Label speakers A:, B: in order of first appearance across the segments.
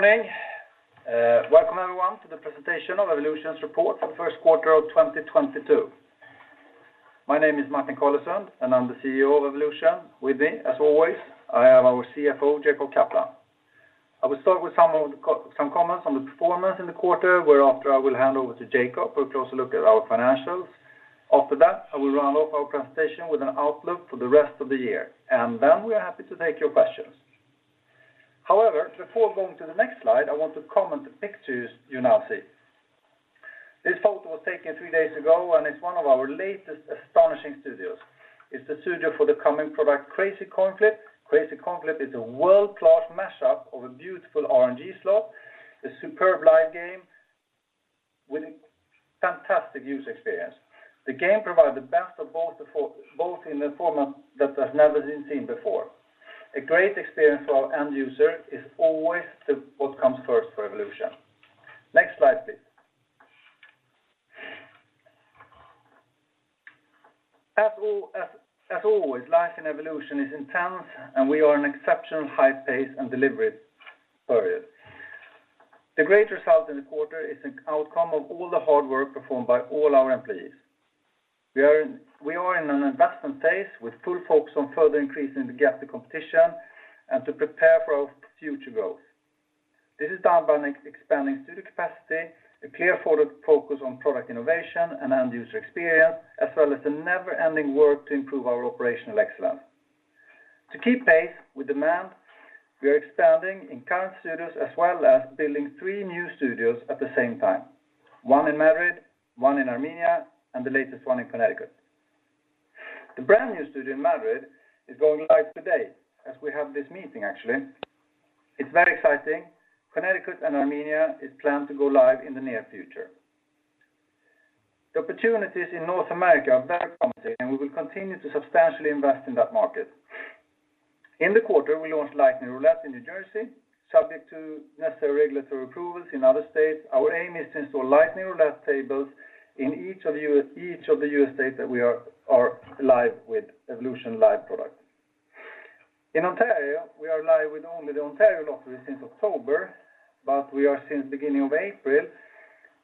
A: Morning. Welcome everyone to the presentation of Evolution's Report for Q1 of 2022. My name is Martin Carlesund, and I'm the CEO of Evolution. With me, as always, I have our CFO, Jacob Kaplan. I will start with some comments on the performance in the quarter, whereafter I will hand over to Jacob for a closer look at our financials. After that, I will round off our presentation with an outlook for the rest of the year. Then we're happy to take your questions. However, before going to the next slide, I want to comment on the pictures you now see. This photo was taken three days ago, and it's one of our latest astonishing studios. It's the studio for the coming product, Crazy Coin Flip. Crazy Coin Flip is a world-class mashup of a beautiful RNG slot, a superb live game with a fantastic user experience. The game provides the best of both in a format that has never been seen before. A great experience for our end user is always what comes first for Evolution. Next slide, please. As always, life in Evolution is intense, and we are in exceptional high pace and delivery period. The great result in the quarter is an outcome of all the hard work performed by all our employees. We are in an investment phase with full focus on further increasing the gap to competition and to prepare for our future growth. This is done by an expanding studio capacity, a clear focus on product innovation and end-user experience, as well as the never-ending work to improve our operational excellence. To keep pace with demand, we are expanding in current studios as well as building three new studios at the same time, one in Madrid, one in Armenia, and the latest one in Connecticut. The brand-new studio in Madrid is going live today as we have this meeting, actually. It's very exciting. Connecticut and Armenia is planned to go live in the near future. The opportunities in North America are very promising, and we will continue to substantially invest in that market. In the quarter, we launched Lightning Roulette in New Jersey, subject to necessary regulatory approvals in other states. Our aim is to install Lightning Roulette tables in each of the U.S. states that we are live with Evolution live product. In Ontario, we are live with only the Ontario lottery since October, but we are since beginning of April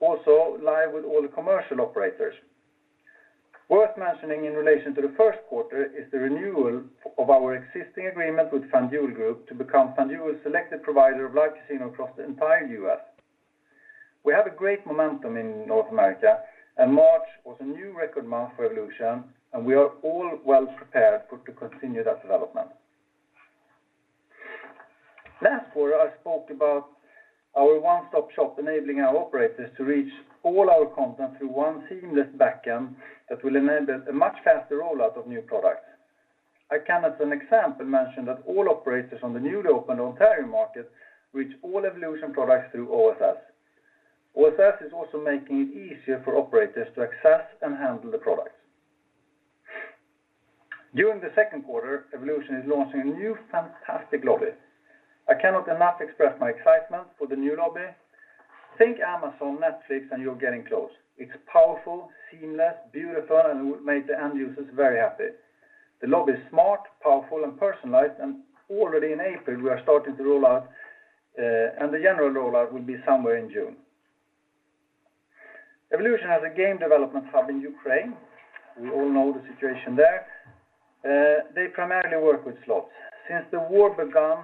A: also live with all the commercial operators. Worth mentioning in relation to the Q1 is the renewal of our existing agreement with FanDuel Group to become FanDuel's selected provider of Live Casino across the entire U.S. We have a great momentum in North America, and March was a new record month for Evolution, and we are all well-prepared to continue that development. Last quarter, I spoke about our one-stop shop enabling our operators to reach all our content through one seamless backend that will enable a much faster rollout of new products. I can, as an example, mention that all operators on the newly opened Ontario market reach all Evolution products through OSS. OSS is also making it easier for operators to access and handle the products. During the Q2, Evolution is launching a new fantastic lobby. I cannot enough express my excitement for the new lobby. Think Amazon, Netflix, and you're getting close. It's powerful, seamless, beautiful, and will make the end users very happy. The lobby is smart, powerful, and personalized, and already in April we are starting to roll out, and the general rollout will be somewhere in June. Evolution has a game development hub in Ukraine. We all know the situation there. They primarily work with slots. Since the war begun,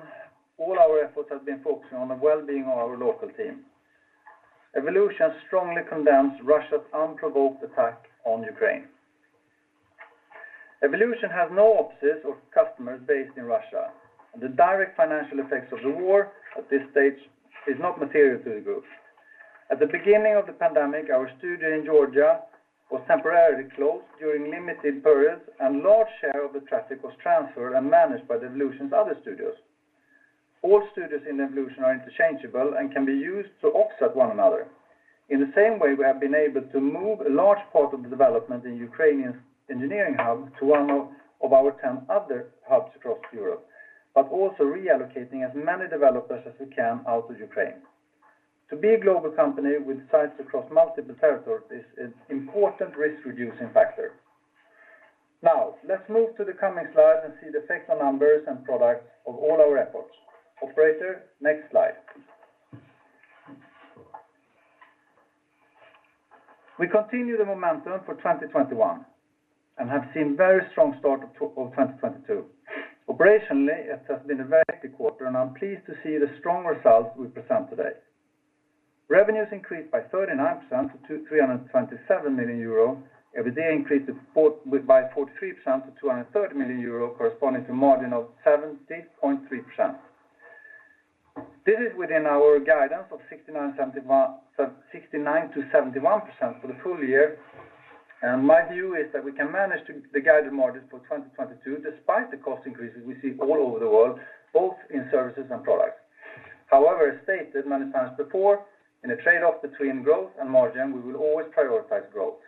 A: all our effort has been focusing on the wellbeing of our local team. Evolution strongly condemns Russia's unprovoked attack on Ukraine. Evolution has no offices or customers based in Russia, and the direct financial effects of the war at this stage is not material to the group. At the beginning of the pandemic, our studio in Georgia was temporarily closed during limited periods, and large share of the traffic was transferred and managed by the Evolution's other studios. All studios in Evolution are interchangeable and can be used to offset one another. In the same way, we have been able to move a large part of the development in Ukrainian engineering hub to one of our 10 other hubs across Europe, but also reallocating as many developers as we can out of Ukraine. To be a global company with sites across multiple territories is an important risk-reducing factor. Now, let's move to the coming slides and see the factual numbers and products of all our efforts. Operator, next slide. We continue the momentum for 2021 and have seen very strong start of 2022. Operationally, it has been a very active quarter, and I'm pleased to see the strong results we present today. Revenues increased by 39% to 327 million euro. EBITDA increased by 43% to 230 million euro, corresponding to margin of 70.3%. This is within our guidance of 69%-71% for the full year. My view is that we can manage to the guided margins for 2022 despite the cost increases we see all over the world, both in services and products. However, as stated many times before, in a trade-off between growth and margin, we will always prioritize growth.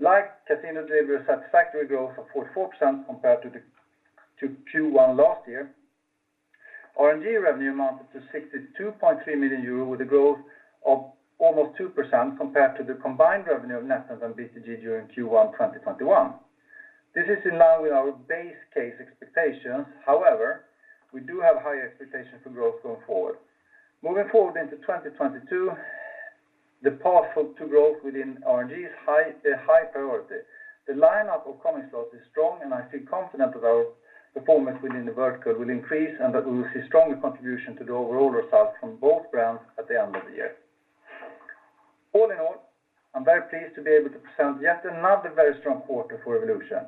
A: Live Casino delivered a satisfactory growth of 4.4% compared to Q1 last year. RNG revenue amounted to 62.3 million euro, with a growth of almost 2% compared to the combined revenue of NetEnt and BTG during Q1 2021. This is in line with our base case expectations. However, we do have high expectations for growth going forward. Moving forward into 2022, the path for growth within RNG is high, a high priority. The lineup of coming slots is strong, and I feel confident that our performance within the vertical will increase, and that we will see stronger contribution to the overall results from both brands at the end of the year. All in all, I'm very pleased to be able to present yet another very strong quarter for Evolution.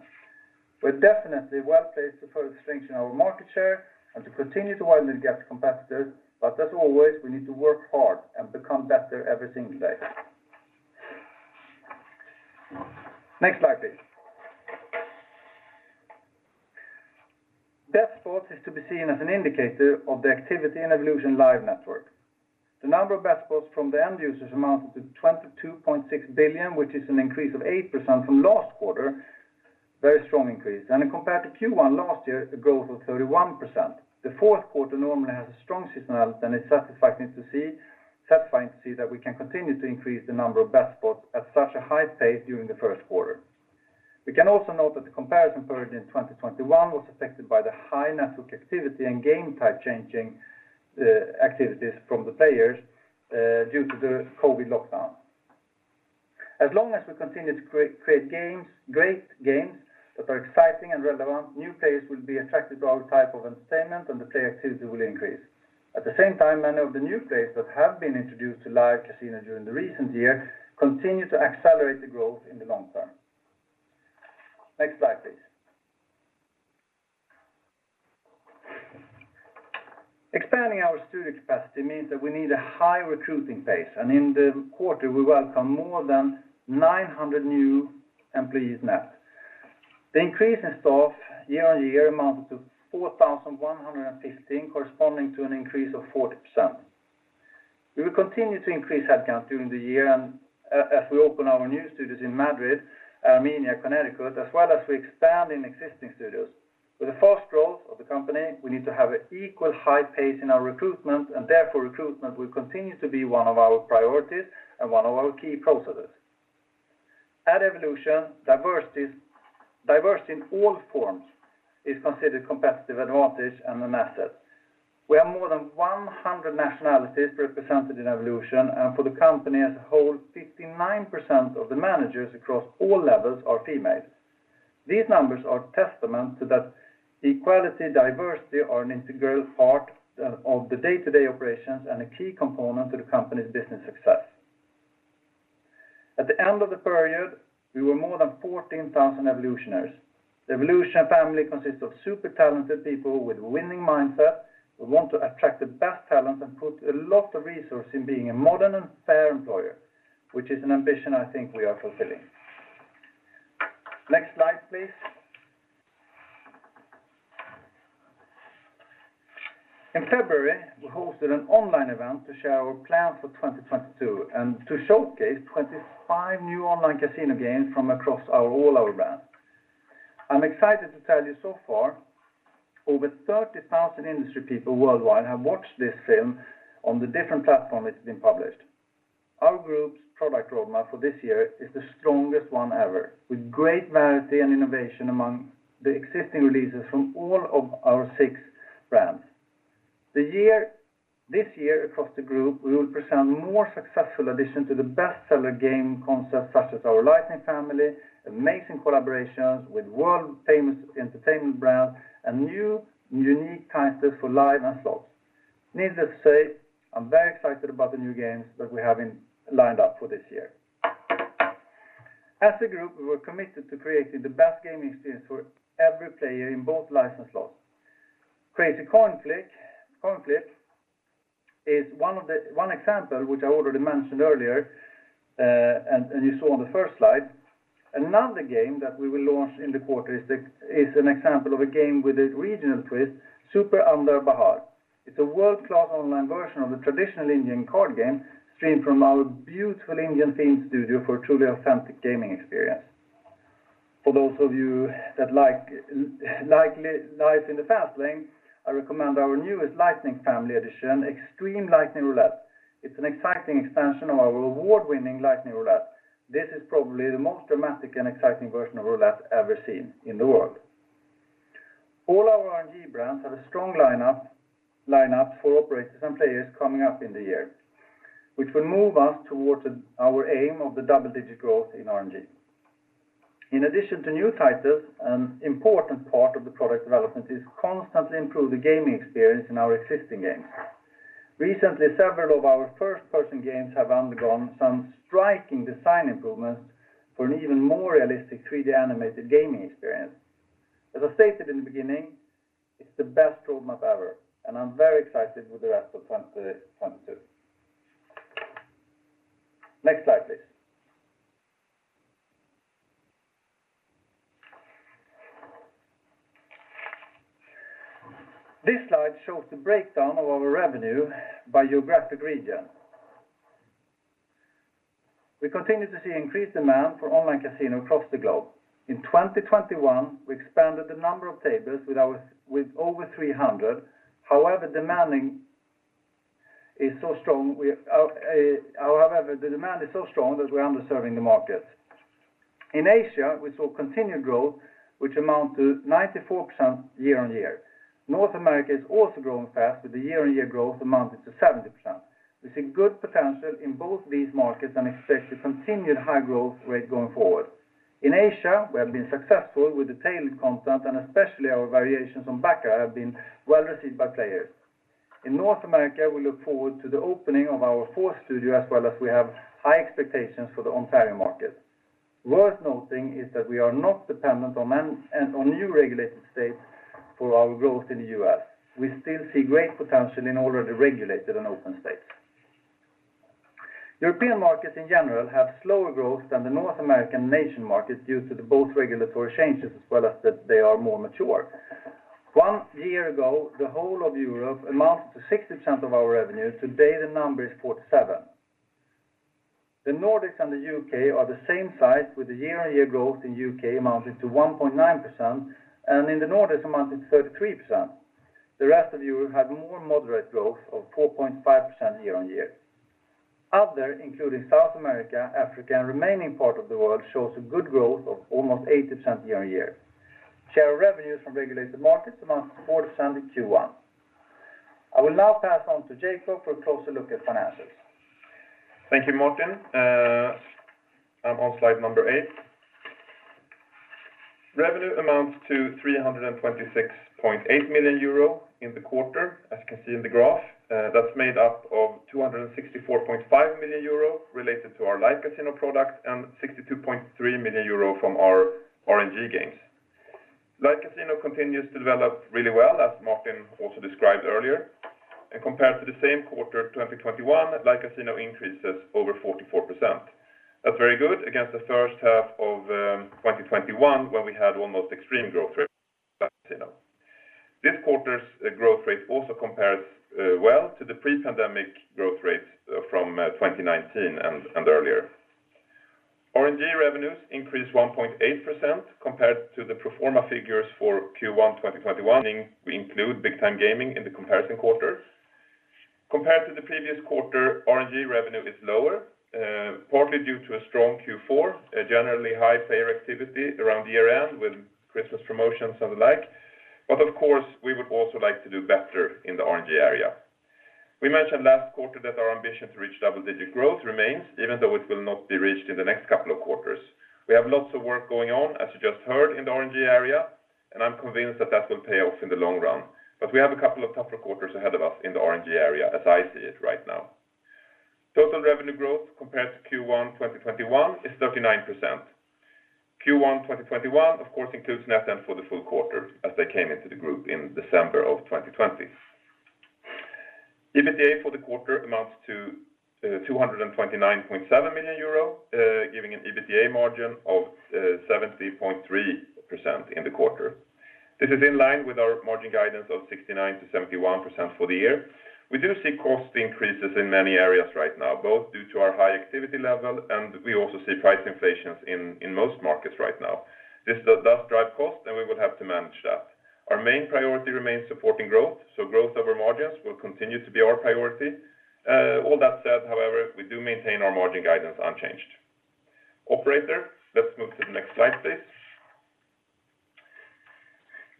A: We're definitely well-placed to further strengthen our market share and to continue to widen the gap to competitors. As always, we need to work hard and become better every single day. Next slide, please. Bet spots is to be seen as an indicator of the activity in Evolution live network. The number of bet spots from the end users amounted to 22.6 billion, which is an increase of 8% from last quarter. Very strong increase. Compared to Q1 last year, a growth of 31%. The Q4 normally has a strong seasonality, and it's satisfying to see that we can continue to increase the number of bet spots at such a high pace during the Q1. We can also note that the comparison period in 2021 was affected by the high network activity and game type changing activities from the players due to the COVID lockdown. As long as we continue to create games, great games that are exciting and relevant, new players will be attracted to our type of entertainment, and the player activity will increase. At the same time, many of the new players that have been introduced to live casino during the recent year continue to accelerate the growth in the long term. Next slide, please. Expanding our studio capacity means that we need a high recruiting base. In the quarter, we welcome more than 900 new employees net. The increase in staff year on year amounted to 4,115, corresponding to an increase of 40%. We will continue to increase headcount during the year and as we open our new studios in Madrid, Armenia, Connecticut, as well as we expand in existing studios. With the fast growth of the company, we need to have an equal high pace in our recruitment, and therefore recruitment will continue to be one of our priorities and one of our key processes. At Evolution, diversity in all forms is considered competitive advantage and an asset. We have more than 100 nationalities represented in Evolution, and for the company as a whole, 59% of the managers across all levels are female. These numbers are testament to that equality, diversity are an integral part of the day-to-day operations and a key component to the company's business success. At the end of the period, we were more than 14,000 Evolutioners. The Evolution family consists of super talented people with winning mindset who want to attract the best talent and put a lot of resource in being a modern and fair employer, which is an ambition I think we are fulfilling. Next slide, please. In February, we hosted an online event to share our plan for 2022 and to showcase 25 new online casino games from across all our brands. I'm excited to tell you so far, over 30,000 industry people worldwide have watched this film on the different platform it's been published. Our group's product roadmap for this year is the strongest one ever, with great variety and innovation among the existing releases from all of our six brands. This year across the group, we will present more successful addition to the bestseller game concept such as our Lightning family, amazing collaborations with world-famous entertainment brands, and new unique titles for live and slots. Needless to say, I'm very excited about the new games that we have lined up for this year. As a group, we're committed to creating the best gaming experience for every player in both live and slots. Crazy Coin Flip is one example which I already mentioned earlier, you saw on the first slide. Another game that we will launch in the quarter is an example of a game with a regional twist, Super Andar Bahar. It's a world-class online version of the traditional Indian card game streamed from our beautiful Indian-themed studio for a truly authentic gaming experience. For those of you that like likely life in the fast lane, I recommend our newest Lightning family edition, XXXtreme Lightning Roulette. It's an exciting expansion of our award-winning Lightning Roulette. This is probably the most dramatic and exciting version of roulette ever seen in the world. All our RNG brands have a strong lineup for operators and players coming up in the year, which will move us towards our aim of the double-digit growth in RNG. In addition to new titles, an important part of the product development is constantly improve the gaming experience in our existing games. Recently, several of our First Person games have undergone some striking design improvements for an even more realistic 3D animated gaming experience. As I stated in the beginning, it's the best roadmap ever, and I'm very excited with the rest of 2022. Next slide, please. This slide shows the breakdown of our revenue by geographic region. We continue to see increased demand for online casino across the globe. In 2021, we expanded the number of tables with over 300. However, the demand is so strong that we are underserving the market. In Asia, we saw continued growth, which amount to 94% year-on-year. North America is also growing fast with the year-on-year growth amounting to 70%. We see good potential in both these markets and expect to continue the high growth rate going forward. In Asia, we have been successful with the tailored content, and especially our variations on baccarat have been well received by players. In North America, we look forward to the opening of our fourth studio as well as we have high expectations for the Ontario market. Worth noting is that we are not dependent on new regulated states for our growth in the US. We still see great potential in already regulated states. European markets in general have slower growth than the North American markets due to both regulatory changes as well as that they are more mature. 1 year ago, the whole of Europe amounts to 60% of our revenue. Today, the number is 47%. The Nordics and the UK are the same size with the year-on-year growth in UK amounting to 1.9%, and in the Nordics amounted 33%. The rest of Europe had more moderate growth of 4.5% year-on-year. Other, including South America, Africa, and remaining part of the world, shows a good growth of almost 80% year-on-year. Share revenues from regulated markets amounts to 40% in Q1. I will now pass on to Jacob for a closer look at financials.
B: Thank you, Martin. I'm on slide number eight. Revenue amounts to 326.8 million euro in the quarter, as you can see in the graph. That's made up of 264.5 million euro related to our Live Casino product and 62.3 million euro from our RNG games. Live Casino continues to develop really well, as Martin also described earlier, and compared to the same quarter of 2021, Live Casino increases over 44%. That's very good against the H1 of 2021 when we had almost extreme growth rate for Live Casino. This quarter's growth rate also compares well to the pre-pandemic growth rate from 2019 and earlier. RNG revenues increased 1.8% compared to the pro forma figures for Q1 2021, we include Big Time Gaming in the comparison quarters. Compared to the previous quarter, RNG revenue is lower, partly due to a strong Q4, a generally high player activity around the year-end with Christmas promotions and the like. Of course, we would also like to do better in the RNG area. We mentioned last quarter that our ambition to reach double-digit growth remains, even though it will not be reached in the next couple of quarters. We have lots of work going on, as you just heard in the RNG area, and I'm convinced that will pay off in the long run. We have a couple of tougher quarters ahead of us in the RNG area as I see it right now. Total revenue growth compared to Q1 2021 is 39%. Q1 2021, of course, includes NetEnt for the full quarter as they came into the group in December 2020. EBITDA for the quarter amounts to 229.7 million euro, giving an EBITDA margin of 70.3% in the quarter. This is in line with our margin guidance of 69%-71% for the year. We do see cost increases in many areas right now, both due to our high activity level, and we also see price inflations in most markets right now. This does drive cost, and we will have to manage that. Our main priority remains supporting growth, so growth over margins will continue to be our priority. All that said, however, we do maintain our margin guidance unchanged. Operator, let's move to the next slide, please.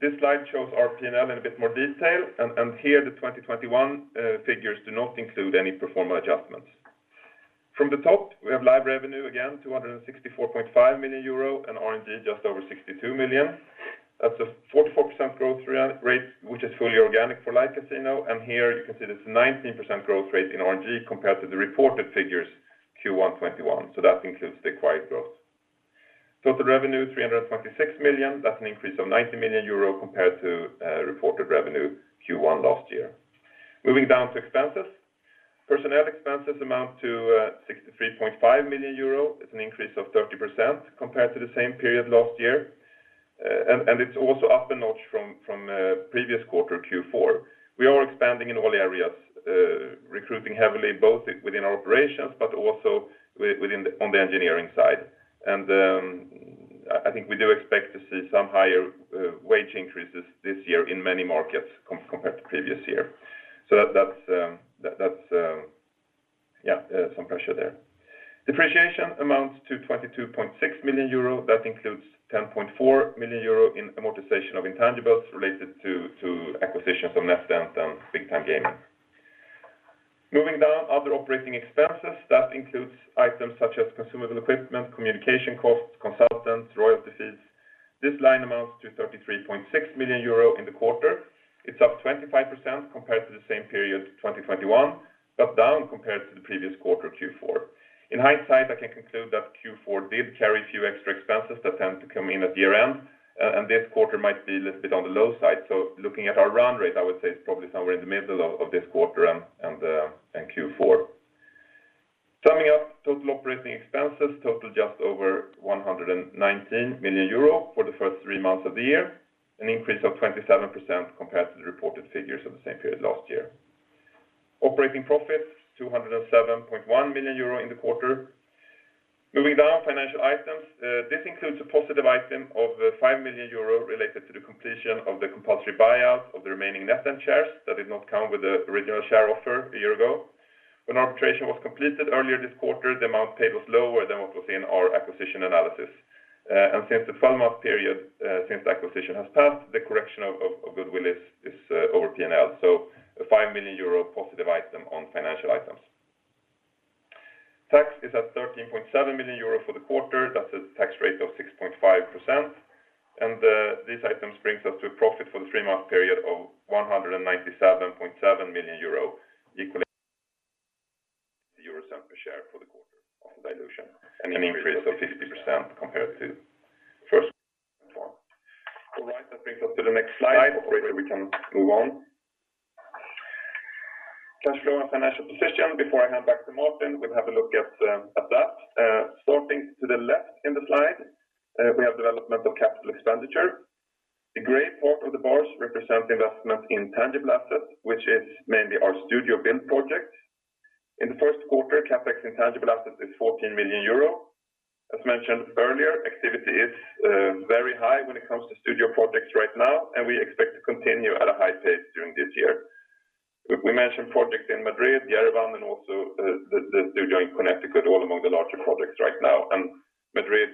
B: This slide shows our P&L in a bit more detail. Here, the 2021 figures do not include any pro forma adjustments. From the top, we have live revenue, again, 264.5 million euro and RNG just over 62 million. That's a 44% growth rate, which is fully organic for Live Casino. Here you can see that it's 19% growth rate in RNG compared to the reported figures Q1 2021. That includes the acquired growth. Total revenue, 326 million, that's an increase of 90 million euro compared to reported revenue Q1 last year. Moving down to expenses. Personnel expenses amount to 63.5 million euro. It's an increase of 30% compared to the same period last year. It's also up a notch from previous quarter, Q4. We are expanding in all areas, recruiting heavily, both within our operations, but also on the engineering side. I think we do expect to see some higher wage increases this year in many markets compared to previous year. That's some pressure there. Depreciation amounts to 22.6 million euro. That includes 10.4 million euro in amortization of intangibles related to acquisitions of NetEnt and Big Time Gaming. Moving down other operating expenses, that includes items such as consumable equipment, communication costs, consultants, royalties fees. This line amounts to 33.6 million euro in the quarter. It's up 25% compared to the same period 2021, but down compared to the previous quarter, Q4. In hindsight, I can conclude that Q4 did carry a few extra expenses that tend to come in at year-end, and this quarter might be a little bit on the low side. Looking at our run rate, I would say it's probably somewhere in the middle of this quarter and Q4. Summing up total operating expenses, total just over 119 million euro for the first three months of the year, an increase of 27% compared to the reported figures of the same period last year. Operating profits, 207.1 million euro in the quarter. Moving down financial items, this includes a positive item of 5 million euro related to the completion of the compulsory buyout of the remaining NetEnt shares that did not come with the original share offer a year ago. When arbitration was completed earlier this quarter, the amount paid was lower than what was in our acquisition analysis. Since the 12-month period since the acquisition has passed, the correction of goodwill is over P&L. A 5 million euro positive item on financial items. Tax is at 13.7 million euro for the quarter. That's a tax rate of 6.5%. This item brings us to a profit for the three-month period of 197.7 million euro, equaling 97-euro cents per diluted share for the quarter, an increase of 50% compared to Q1. All right. That brings us to the next slide. Operator, we can move on. Cash flow and financial position. Before I hand back to Martin, we'll have a look at that. Starting to the left in the slide, we have development of capital expenditure. The gray part of the bars represent investment in tangible assets, which is mainly our studio build project. In the Q1, CapEx in tangible assets is 14 million euro. As mentioned earlier, activity is very high when it comes to studio projects right now, and we expect to continue at a high pace during this year. We mentioned projects in Madrid, Yerevan, and also the studio in Connecticut, all among the larger projects right now. Madrid,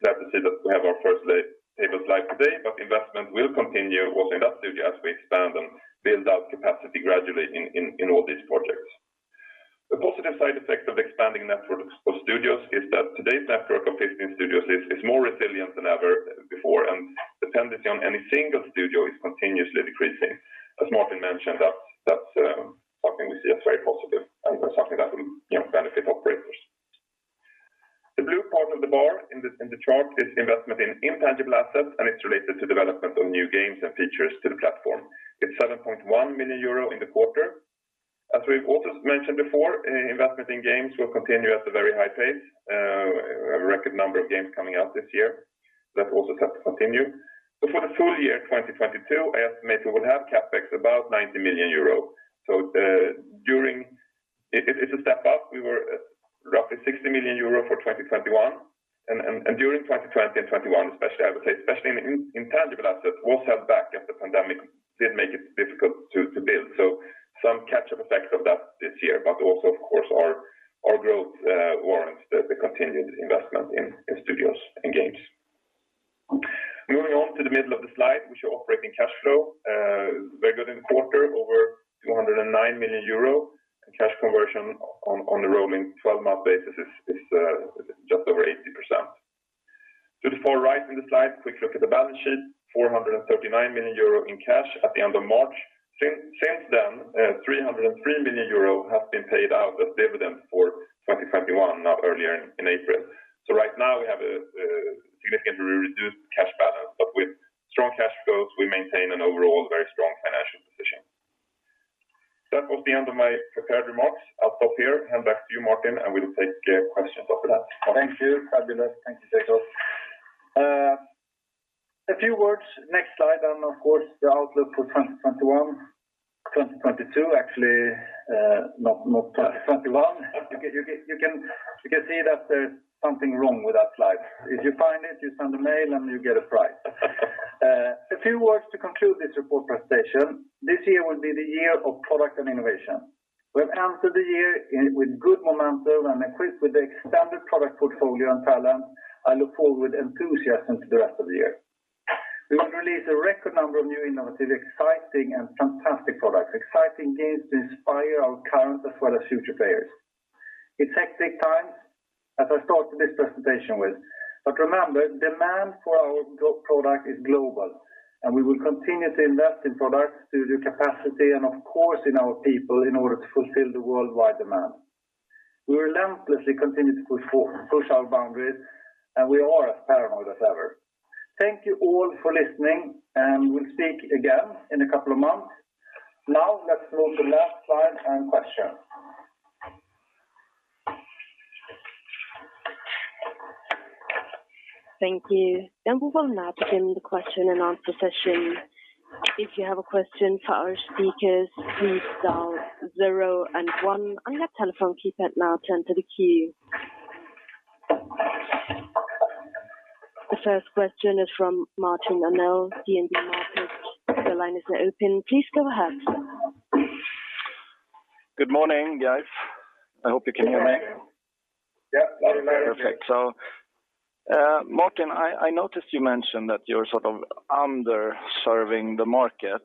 B: glad to say that we have our first tables live today, but investment will continue also in that studio as we expand and build out capacity gradually in all these projects. The positive side effect of expanding network of studios is that today's network of 15 studios is more resilient than ever before, and dependency on any single studio is continuously decreasing. As Martin mentioned, that's something we see as very positive and something that will, you know, benefit operators. The blue part of the bar in the chart is investment in intangible assets, and it's related to development of new games and features to the platform. It's 7.1 million euro in the quarter. As we've also mentioned before, investment in games will continue at a very high pace. A record number of games coming out this year. That also set to continue. For the full year 2022, I estimate we'll have CapEx about 90 million euro. It's a step up. We were at roughly 60 million euro for 2021. During 2020 and 2021 especially, I would say especially in intangible assets, was held back as the pandemic did make it difficult to build. Some catch-up effect of that this year, but also of course our growth warrants the continued investment in studios and games. Moving on to the middle of the slide, we show operating cash flow. Very good in quarter, over 209 million euro. Cash conversion on the rolling 12-month basis is just over 80%. To the far right in the slide, quick look at the balance sheet, 439 million euro in cash at the end of March. Since then, 303 million euro has been paid out as dividend for 2021 now earlier in April. Right now we have a significantly reduced cash balance, but with strong cash flows we maintain an overall very strong financial position. That was the end of my prepared remarks. I'll stop here, hand back to you Martin, and we'll take questions after that.
A: Thank you. Fabulous. Thank you, Jacob. A few words, next slide, on, of course, the outlook for 2021-2022 actually, not 2021. You can see that there's something wrong with that slide. If you find it, you send a mail and you get a prize. A few words to conclude this report presentation. This year will be the year of product and innovation. We have entered the year with good momentum and equipped with the extended product portfolio and talent, I look forward with enthusiasm to the rest of the year. We will release a record number of new innovative, exciting, and fantastic products, exciting games to inspire our current as well as future players. It's hectic times, as I started this presentation with. Remember, demand for our Live product is global, and we will continue to invest in products, studio capacity, and of course in our people in order to fulfill the worldwide demand. We relentlessly continue to push our boundaries, and we are as paranoid as ever. Thank you all for listening, and we'll speak again in a couple of months. Now let's go to last slide and questions.
C: Thank you. We will now begin the question-and-answer session. If you have a question for our speakers, please dial zero and one on your telephone keypad now to enter the queue. The first question is from Martin Arnell, DNB Markets. The line is now open. Please go ahead.
D: Good morning, guys. I hope you can hear me.
A: Yeah. Loud and clear.
D: Perfect. Martin, I noticed you mentioned that you're sort of underserving the market.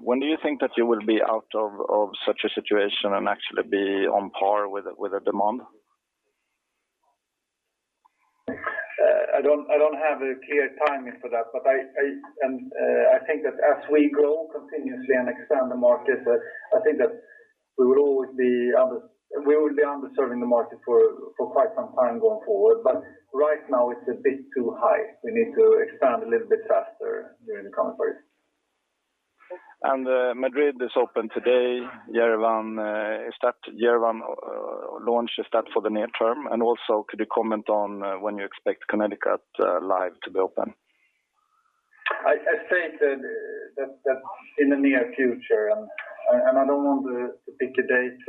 D: When do you think that you will be out of such a situation and actually be on par with the demand?
A: I don't have a clear timing for that, but I think that as we grow continuously and expand the market, I think that we will always be underserving the market for quite some time going forward. Right now it's a bit too high. We need to expand a little bit faster during the coming period.
D: Madrid is open today. Yerevan launch, is that for the near term? Also, could you comment on when you expect Connecticut Live to be open?
A: I stated that in the near future, and I don't want to put a date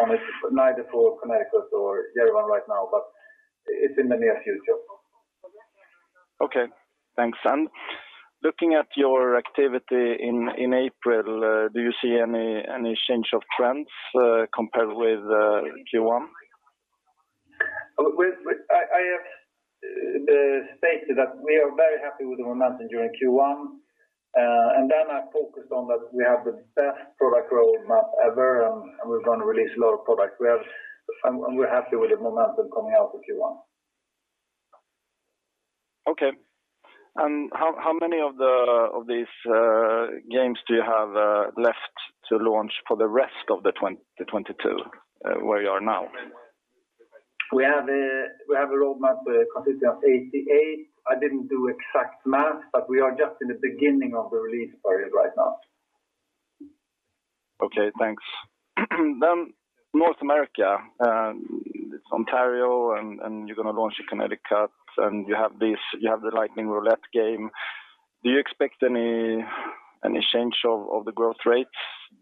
A: on it neither for Connecticut or Yerevan right now, but it's in the near future.
D: Okay, thanks. Looking at your activity in April, do you see any change of trends, compared with Q1?
A: I have stated that we are very happy with the momentum during Q1. I focused on that we have the best product roadmap ever, and we're gonna release a lot of product. We're happy with the momentum coming out of Q1.
D: Okay. How many of these games do you have left to launch for the rest of 2022, where you are now?
A: We have a roadmap consisting of 88. I didn't do exact math, but we are just in the beginning of the release period right now.
D: Okay, thanks. North America, Ontario, and you're gonna launch in Connecticut, and you have the Lightning Roulette game. Do you expect any change of the growth rates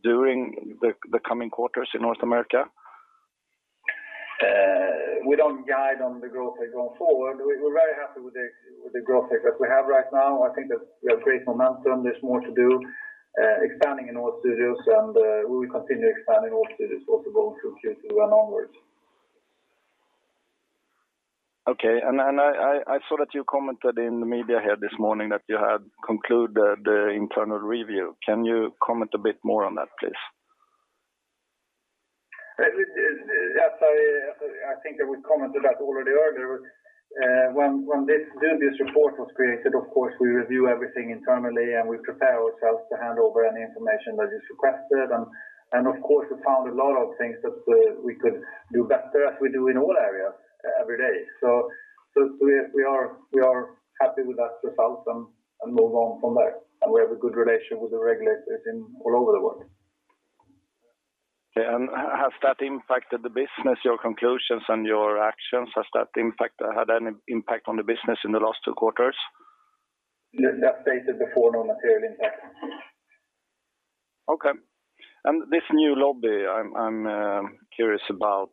D: during the coming quarters in North America?
A: We don't guide on the growth rate going forward. We're very happy with the growth rate that we have right now. I think that we have great momentum. There's more to do, expanding in all studios and we will continue expanding all studios also going through Q2 and onwards.
D: Okay. I saw that you commented in the media here this morning that you had concluded the internal review. Can you comment a bit more on that, please?
A: Yes, I think I would commented that already earlier. When this report was created, of course, we review everything internally, and we prepare ourselves to hand over any information that is requested. Of course, we found a lot of things that we could do better as we do in all areas every day. We are happy with that result and move on from there. We have a good relationship with the regulators all over the world.
D: Yeah. Has that impacted the business, your conclusions and your actions? Had any impact on the business in the last two quarters?
A: As stated before, no material impact.
D: Okay. This new lobby I'm curious about.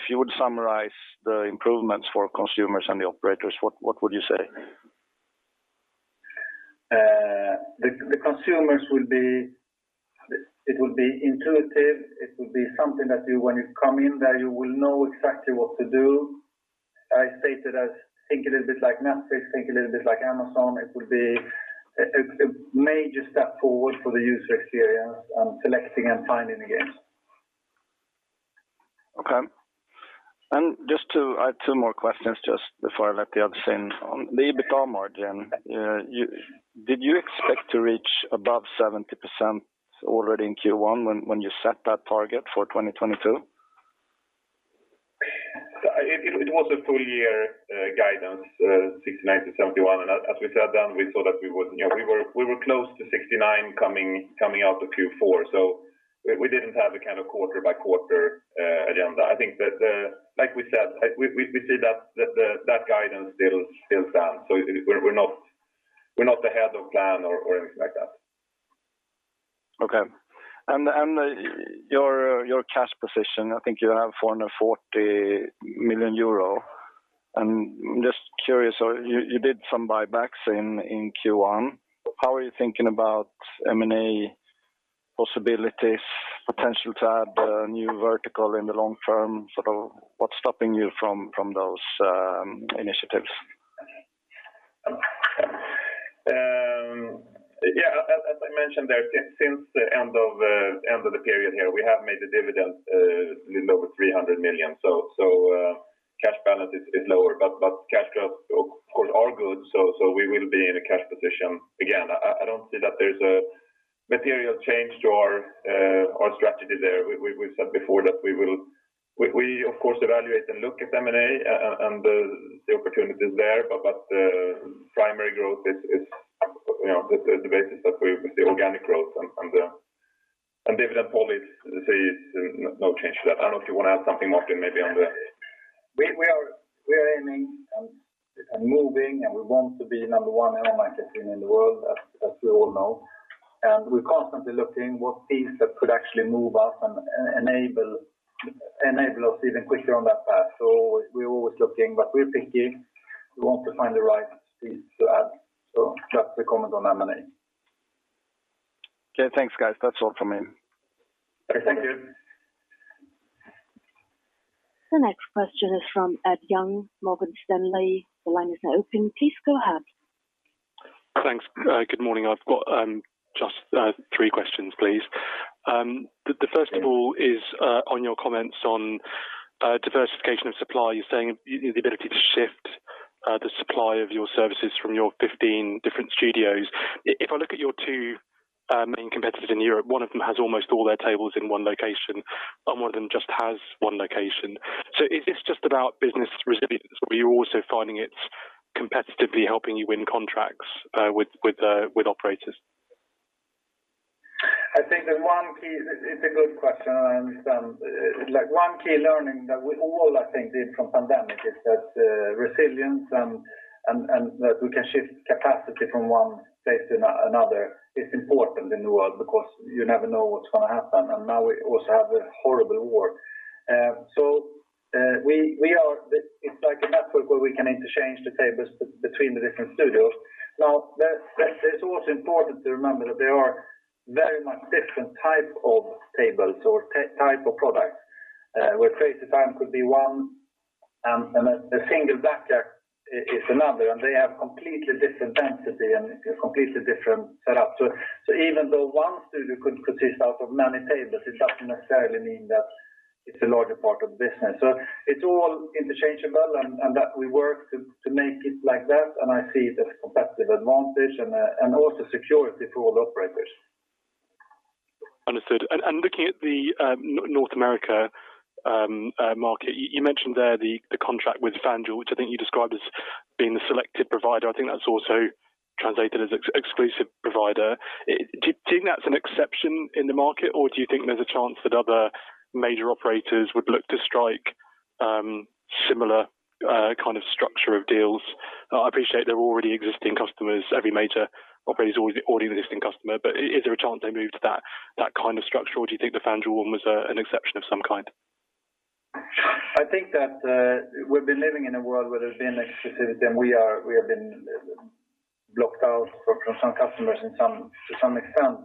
D: If you would summarize the improvements for consumers and the operators, what would you say?
A: It will be intuitive. It will be something that when you come in there, you will know exactly what to do. I stated I think a little bit like Netflix, think a little bit like Amazon. It will be a major step forward for the user experience on selecting and finding the games.
D: Okay. Just two more questions just before I let the others in. On the EBITDA margin, did you expect to reach above 70% already in Q1 when you set that target for 2022?
B: It was a full-year guidance 69%-71%. As we said then, we saw that we were close to 69% coming out of Q4. We didn't have a kind of quarter-by-quarter agenda. I think that, like we said, we see that that guidance still stands. We're not ahead of plan or anything like that.
D: Okay. Your cash position, I think you have 440 million euro. I'm just curious, you did some buybacks in Q1. How are you thinking about M&A possibilities, potential to add a new vertical in the long term? Sort of what's stopping you from those initiatives?
B: Yeah. As I mentioned there, since the end of the period here, we have made a dividend, a little over 300 million. Cash balance is lower, but cash flows of course are good. We will be in a cash position again. I don't see that there's a material change to our strategy there. We've said before that we will. We of course evaluate and look at M&A and the opportunities there, but primary growth is, you know, the basis that we, with the organic growth and dividend policy say it's no change to that. I don't know if you wanna add something Martin maybe on the
A: We are aiming and moving and we want to be number one iGaming casino in the world, as we all know. We're constantly looking what piece that could actually move us and enable us even quicker on that path. We're always looking, but we're picky. We want to find the right piece to add. Just to comment on M&A.
D: Okay, thanks guys. That's all from me.
B: Thank you.
A: Thank you.
C: The next question is from Ed Young, Morgan Stanley. The line is now open. Please go ahead.
E: Thanks. Good morning. I've got just three questions please. The first of all is on your comments on diversification of supply. You're saying you have the ability to shift the supply of your services from your 15 different studios. If I look at your two main competitors in Europe, one of them has almost all their tables in one location, and one of them just has one location. Is this just about business resilience, or are you also finding it's competitively helping you win contracts with operators?
A: It's a good question. Like one key learning that we all I think did from pandemic is that resilience and that we can shift capacity from one place to another is important in the world because you never know what's gonna happen. Now we also have a horrible war. It's like a network where we can interchange the tables between the different studios. It's also important to remember that there are very much different type of tables or type of products, where Crazy Time could be one, and a single blackjack is another, and they have completely different density and a completely different setup. Even though one studio could consist of many tables, it doesn't necessarily mean that it's a larger part of the business. It's all interchangeable and that we work to make it like that, and I see it as a competitive advantage and also security for all the operators.
E: Understood. Looking at the North American market, you mentioned there the contract with FanDuel, which I think you described as being the selected provider. I think that's also translated as exclusive provider. Do you think that's an exception in the market, or do you think there's a chance that other major operators would look to strike similar kind of structure of deals? I appreciate there are already existing customers. Every major operator is always an already existing customer. Is there a chance they move to that kind of structure, or do you think the FanDuel one was an exception of some kind?
A: I think that we've been living in a world where there's been exclusivity, and we have been blocked out from some customers to some extent.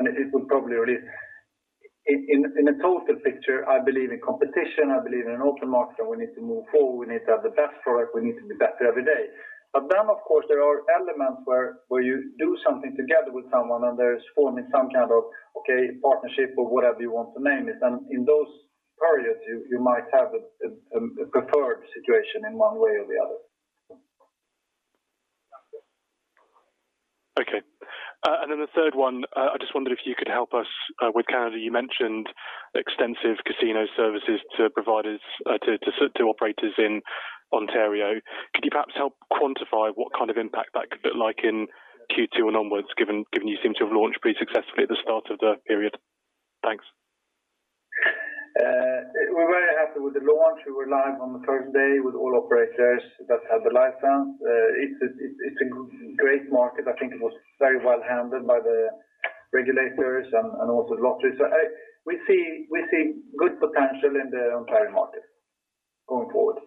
A: It would probably release. In a total picture, I believe in competition, I believe in an open market, and we need to move forward. We need to have the best product. We need to be better every day. Of course, there are elements where you do something together with someone, and there is forming some kind of partnership or whatever you want to name it. In those periods, you might have a preferred situation in one way or the other.
E: Okay. The third one, I just wondered if you could help us with Canada. You mentioned extensive casino services to providers to operators in Ontario. Could you perhaps help quantify what kind of impact that could look like in Q2 and onwards, given you seem to have launched pretty successfully at the start of the period? Thanks.
A: We're very happy with the launch. We were live on the first day with all operators that had the license. It's a great market. I think it was very well handled by the regulators and also the lottery. We see good potential in the Ontario market going forward.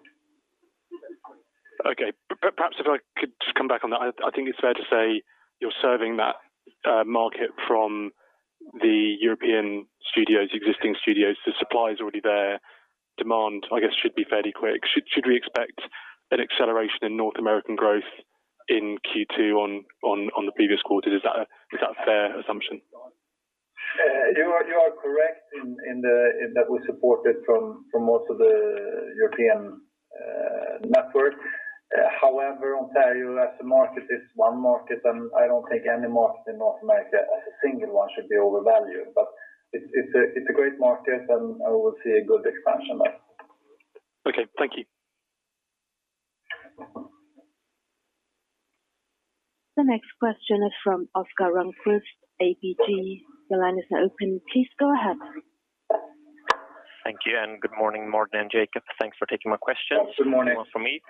E: Okay. Perhaps if I could just come back on that. I think it's fair to say you're serving that market from the European studios, existing studios. The supply is already there. Demand, I guess, should be fairly quick. Should we expect an acceleration in North American growth in Q2 on the previous quarter? Is that a fair assumption?
A: You are correct in that we support it from most of the European network. However, Ontario as a market is one market, and I don't think any market in North America as a single one should be overvalued. It's a great market, and I will see a good expansion there.
E: Okay, thank you.
C: The next question is from Oscar Rönnkvist, ABG. Your line is now open. Please go ahead.
F: Thank you, and good morning, Martin and Jacob. Thanks for taking my questions.
A: Good morning.
F: One for me.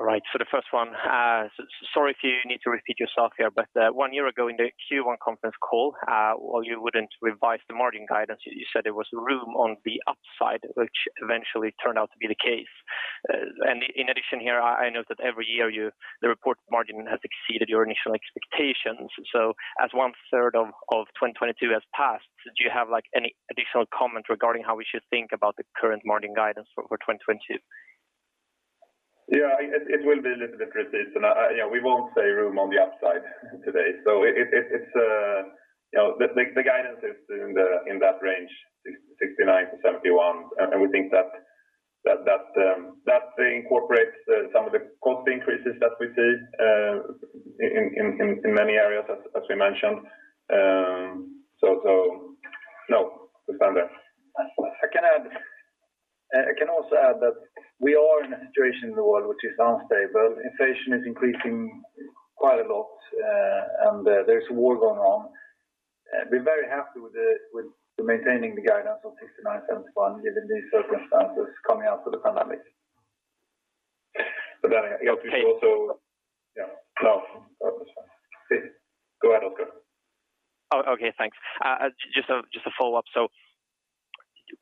F: All right. The first one, sorry if you need to repeat yourself here, but one year ago in the Q1 conference call, while you wouldn't revise the margin guidance, you said there was room on the upside, which eventually turned out to be the case. In addition here, I know that every year the reported margin has exceeded your initial expectations. As one third of 2022 has passed, do you have, like, any additional comment regarding how we should think about the current margin guidance for 2022?
B: Yeah. It will be a little bit precise. You know, we won't say room on the upside today. You know, the guidance is in that range, 69-71. We think that that incorporates some of the cost increases that we see in many areas as we mentioned. No, we stand there.
A: I can add. I can also add that we are in a situation in the world which is unstable. Inflation is increasing quite a lot, and there's a war going on. We're very happy with maintaining the guidance of 69-71, given these circumstances coming out of the pandemic.
B: I guess we should also.
F: Okay.
B: Yeah. No. That was fine. Go ahead, Oscar.
F: Okay. Thanks. Just a follow-up.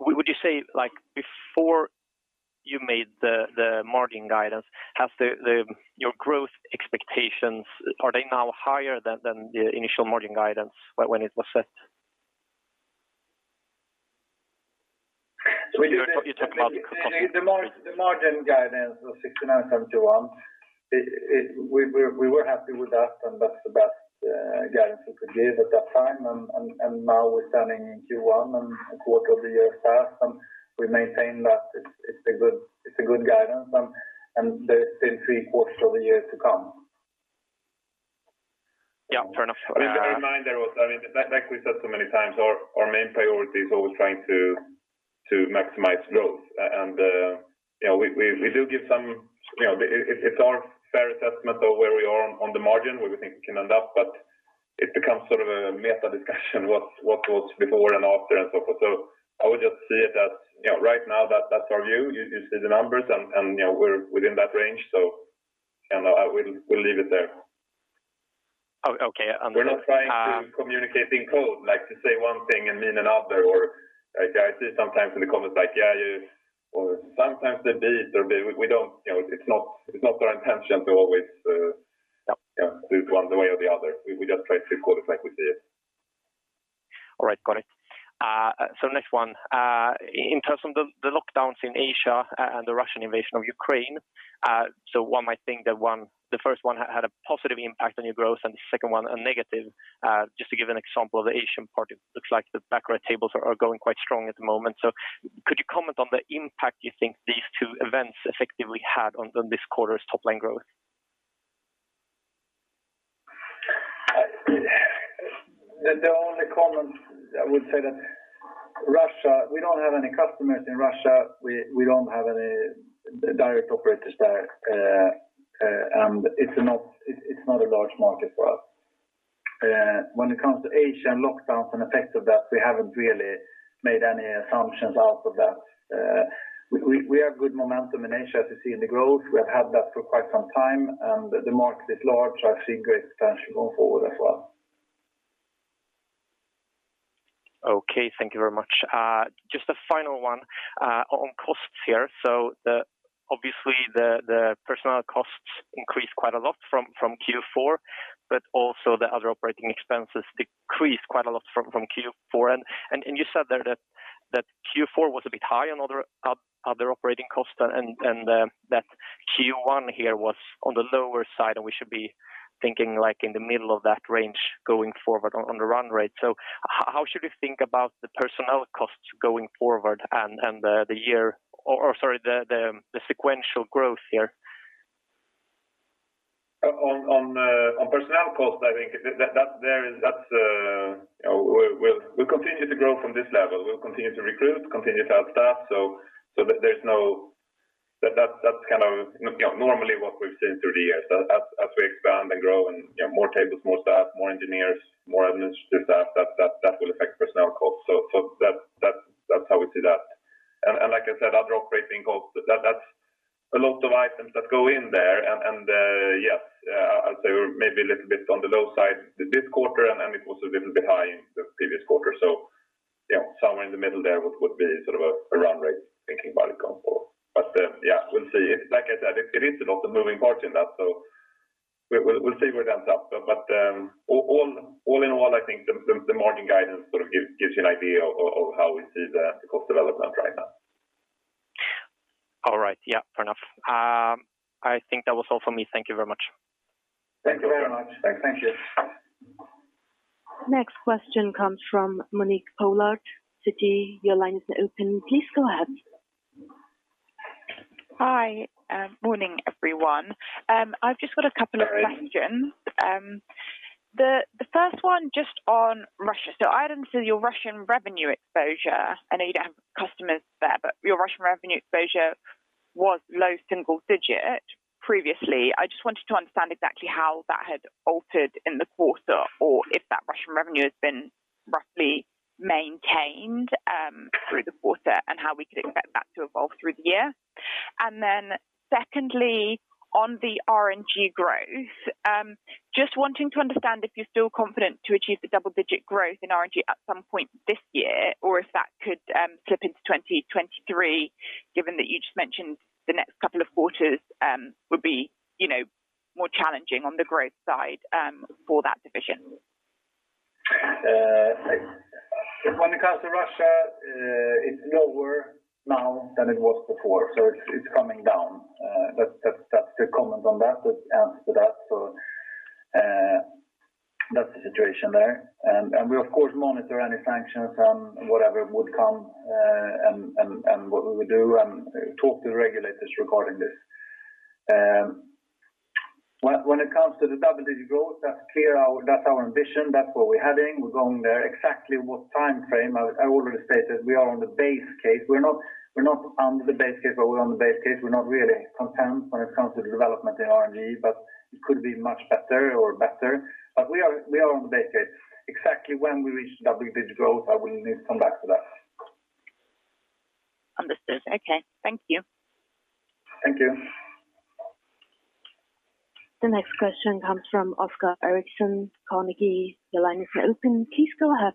F: Would you say, like, before you made the margin guidance, has your growth expectations, are they now higher than the initial margin guidance when it was set?
B: You're talking about the
A: The margin guidance of 69%-71%. It—we were happy with that, and that's the best guidance we could give at that time. Now we're standing in Q1, and a quarter of the year has passed, and we maintain that it's a good guidance. There's still three quarters of the year to come.
F: Yeah. Fair enough.
B: A reminder also, I mean, like we said so many times, our main priority is always trying to maximize growth. You know we do give some, you know, it's our fair assessment of where we are on the margin, where we think it can end up, but it becomes sort of a meta discussion what goes before and after and so forth. I would just see it as, you know, right now that's our view. You see the numbers and, you know, we're within that range. You know, we'll leave it there.
F: Oh, okay.
B: We're not trying to communicate in code, like to say one thing and mean another. Like I see sometimes in the comments like. We don't, you know, it's not our intention to always.
F: Yeah
B: You know, do it one way or the other. We just try to call it like we see it.
F: All right. Got it. Next one. In terms of the lockdowns in Asia and the Russian invasion of Ukraine, one might think that one, the first one had a positive impact on your growth and the second one a negative. Just to give an example, the Asian part it looks like the background tables are going quite strong at the moment. Could you comment on the impact you think these two events effectively had on this quarter's top line growth?
B: The only comment I would say that Russia, we don't have any customers in Russia. We don't have any direct operators there. It's not a large market for us. When it comes to Asian lockdowns and effects of that, we haven't really made any assumptions about that. We have good momentum in Asia that we see in the growth. We have had that for quite some time, and the market is large. I see great potential going forward as well.
F: Okay. Thank you very much. Just a final one on costs here. Obviously the personnel costs increased quite a lot from Q4, but also the other operating expenses decreased quite a lot from Q4. You said there that Q4 was a bit high on other operating costs and that Q1 here was on the lower side, and we should be thinking like in the middle of that range going forward on the run rate. How should we think about the personnel costs going forward and the sequential growth here?
B: On personnel costs, I think that there is. That's you know we'll continue to grow from this level. We'll continue to recruit, continue to add staff. That's kind of you know normally what we've seen through the years. As we expand and grow and you know more tables, more staff, more engineers, more administrative staff, that will affect personnel costs. That's how we see that. Like I said, other operating costs, that's a lot of items that go in there. Yes, I'd say we're maybe a little bit on the low side this quarter and it was a little bit high in the previous quarter. Somewhere in the middle there would be sort of a run rate thinking about it going forward. Yeah, we'll see. It's like I said, it is a lot of moving parts in that, so we'll see where it ends up. All in all, I think the margin guidance sort of gives you an idea of how we see the cost development right now.
F: All right. Yeah, fair enough. I think that was all for me. Thank you very much.
B: Thank you very much.
A: Thank you.
C: Next question comes from Monique Pollard, Citi. Your line is now open. Please go ahead.
G: Hi. Morning everyone. I've just got a couple of questions. The first one just on Russia. So I understand your Russian revenue exposure. I know you don't have customers there, but your Russian revenue exposure was low single-digit previously. I just wanted to understand exactly how that had altered in the quarter, or if that Russian revenue has been roughly maintained through the quarter and how we could expect that to evolve through the year. Secondly, on the RNG growth, just wanting to understand if you're still confident to achieve the double-digit growth in RNG at some point this year or if that could slip into 2023, given that you just mentioned the next couple of quarters would be, you know, more challenging on the growth side for that division.
A: When it comes to Russia, it's lower now than it was before, so it's coming down. That's the comment on that. That answers that. That's the situation there. We of course monitor any sanctions and whatever would come, and what we would do and talk to the regulators regarding this. When it comes to the double-digit growth, that's clear. That's our ambition. That's where we're heading. We're going there. Exactly what timeframe, I already stated we are on the base case. We're not under the base case, but we're on the base case. We're not really content when it comes to the development in RNG, but it could be much better. We are on the base case. Exactly when we reach double-digit growth, I will need to come back to that.
G: Understood. Okay. Thank you.
A: Thank you.
C: The next question comes from Oscar Erixon, Carnegie. Your line is now open. Please go ahead.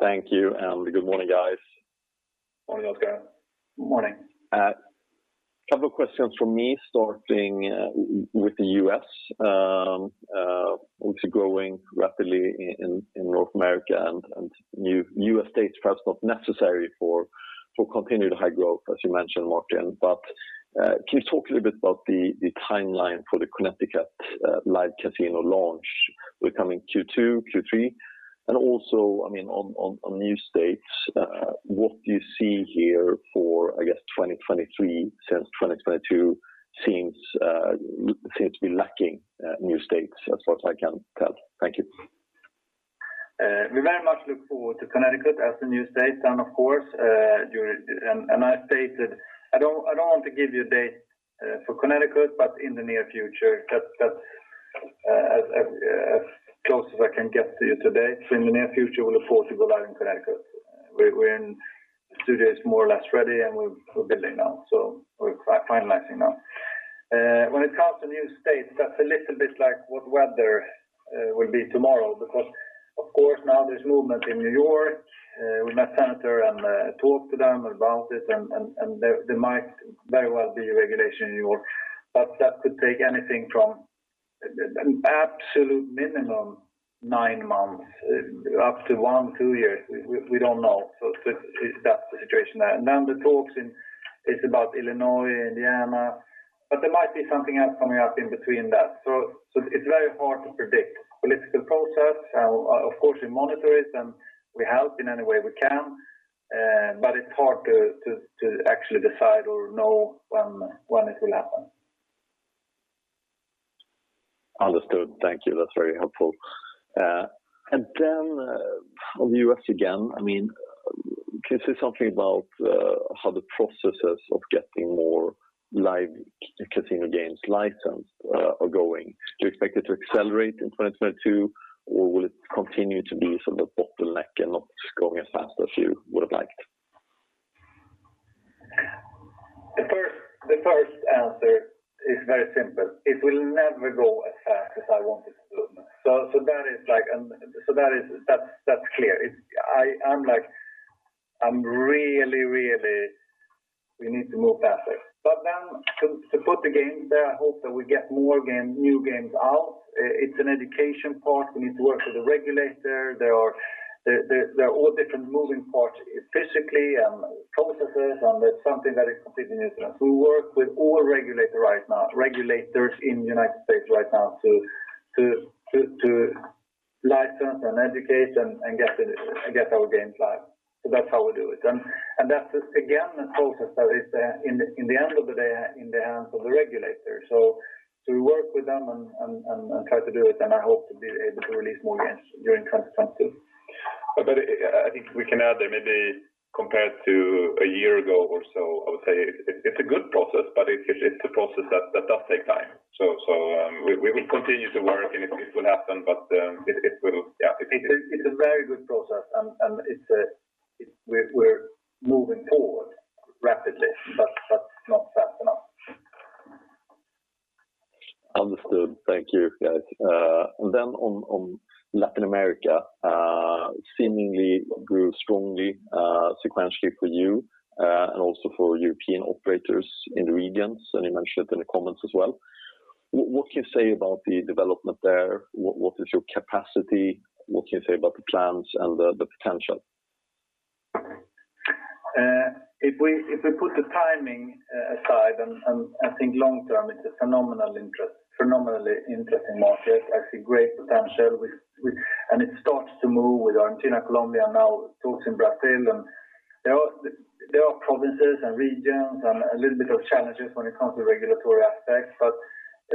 H: Thank you, and good morning, guys.
B: Morning, Oscar.
H: Morning. Couple questions from me, starting with the US. Obviously growing rapidly in North America and new states perhaps not necessary for continued high growth, as you mentioned, Martin. Can you talk a little bit about the timeline for the Connecticut live casino launch in coming Q2, Q3? Also, I mean, on new states, what do you see here for, I guess, 2023 since 2022 seems to be lacking new states as far as I can tell. Thank you.
A: We very much look forward to Connecticut as the new state and of course I stated I don't want to give you a date for Connecticut, but in the near future that's as close as I can get to you today. In the near future, we look forward to go live in Connecticut. The studio is more or less ready and we're building now, so we're finalizing now. When it comes to new states, that's a little bit like what the weather will be tomorrow because of course now there's movement in New York. We met senators and talked to them about it and there might very well be regulation in New York. That could take anything from an absolute minimum nine months up to one, two years. We don't know. It's that situation. The talks in, it's about Illinois, Indiana, but there might be something else coming up in between that. It's very hard to predict political process. Of course, we monitor it and we help in any way we can, but it's hard to actually decide or know when it will happen.
H: Understood. Thank you. That's very helpful. And then, on US again, I mean, can you say something about how the processes of getting more live casino games licensed are going? Do you expect it to accelerate in 2022 or will it continue to be sort of bottleneck and not going as fast as you would've liked?
A: The first answer is very simple. It will never go as fast as I want it to. That is like, that is-- that's clear. It's-- I'm like, I'm really, really-- we need to move faster. Then to put the games there, I hope that we get more games, new games out. It's an education part. We need to work with the regulator. There are all different moving parts physically and processes and it's something that is completely new to us. We work with all regulators right now in United States right now to license and educate and get our games live. That's how we do it. That's again a process that is in the end of the day in the hands of the regulators. We work with them and try to do it, and I hope to be able to release more games during 2022.
B: I think we can add there maybe compared to a year ago or so, I would say it's a good process, but it's a process that does take time. We will continue to work and it will happen, but it will.
A: It's a very good process and we're moving forward rapidly, but that's not fast enough.
H: Understood. Thank you guys. On Latin America, seemingly grew strongly sequentially for you and also for European operators in the regions, and you mentioned it in the comments as well. What can you say about the development there? What is your capacity? What can you say about the plans and the potential?
A: If we put the timing aside and I think long term it's a phenomenal interest, phenomenally interesting market. I see great potential with, and it starts to move with Argentina, Colombia, now talks in Brazil. There are provinces and regions and a little bit of challenges when it comes to regulatory aspects, but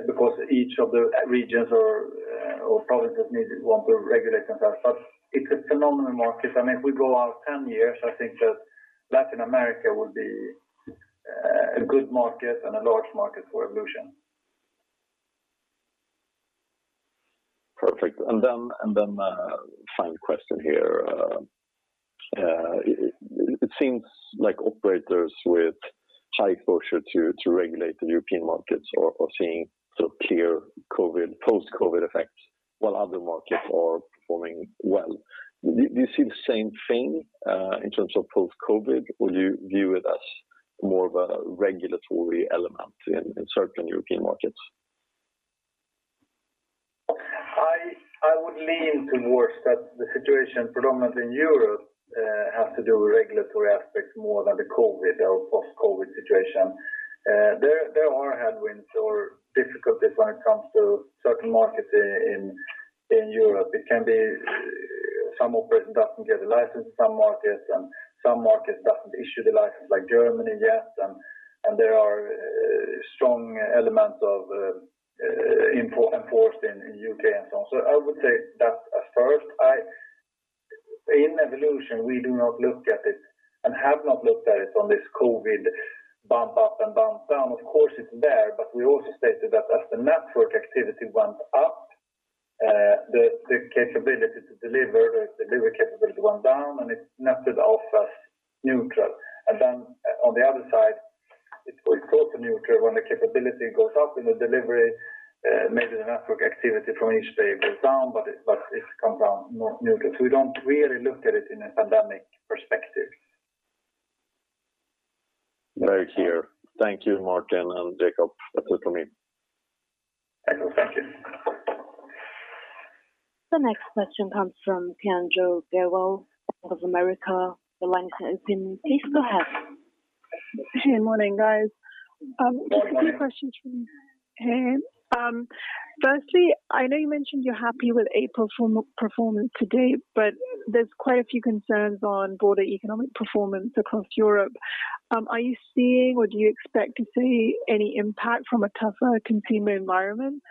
A: because each of the regions or provinces want to regulate themselves. It's a phenomenal market. I mean, if we go out 10 years, I think that Latin America will be a good market and a large market for Evolution.
H: Perfect. Final question here. It seems like operators with high exposure to regulated European markets are seeing sort of clear COVID post-COVID effects while other markets are performing well. Do you see the same thing in terms of post-COVID or you view it as more of a regulatory element in certain European markets?
A: I would lean towards that the situation predominantly in Europe has to do with regulatory aspects more than the COVID or post-COVID situation. There are headwinds or difficulties when it comes to certain markets in Europe. It can be some operator doesn't get a license in some markets and some markets doesn't issue the license like Germany yet. There are strong elements of important enforcement in UK and so on. I would say that at first, in Evolution, we do not look at it and have not looked at it on this COVID bump up and bump down. Of course it's there, but we also stated that as the network activity went up, the capability to deliver, the delivery capability went down, and it netted off as neutral. On the other side, it's also neutral when the capability goes up in the delivery, maybe the network activity from each day goes down, but it comes out net neutral. We don't really look at it in a pandemic perspective.
H: Very clear. Thank you Martin and Jacob. That's it for me.
A: Thank you.
H: Thank you.
C: The next question comes from Kiranjot Grewal of Bank of America. The line is open. Please go ahead.
I: Hey, morning guys. Just a few questions from me. Firstly, I know you mentioned you're happy with April performance to date, but there's quite a few concerns on broader economic performance across Europe. Are you seeing or do you expect to see any impact from a tougher consumer environment?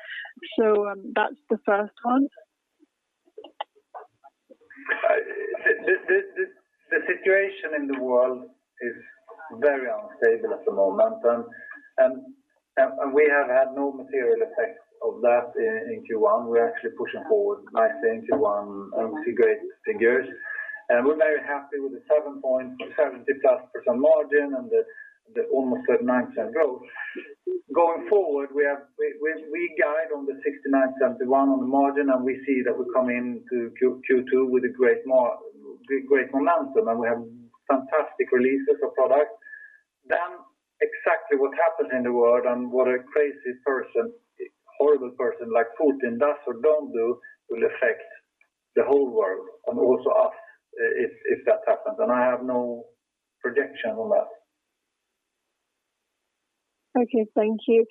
I: That's the first one.
A: The situation in the world is very unstable at the moment, and we have had no material effect of that in Q1. We're actually pushing forward nicely in Q1, two great figures. We're very happy with the 70+% margin and the almost 39% growth. Going forward, we guide on the 69%-71% on the margin, and we see that we come into Q2 with great momentum, and we have fantastic releases of product. Exactly what happened in the world and what a crazy person, horrible person like Putin does or don't do will affect the whole world and also us if that happens, and I have no projection on that.
I: Okay, thank you.